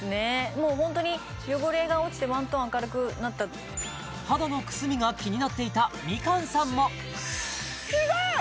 もうホントに汚れが落ちてワントーン明るくなった肌のくすみが気になっていたみかんさんも違う！